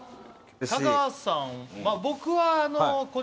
香川さん